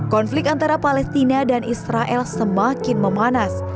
konflik antara palestina dan israel semakin memanas